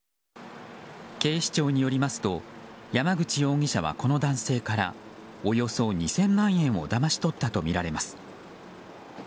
警視庁によりますと山口容疑者はこの男性からおよそ２０００万円をだまし取ったとみられます。